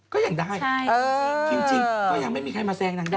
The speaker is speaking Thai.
ก็ยังได้จริงก็ยังไม่มีใครมาแซงนางได้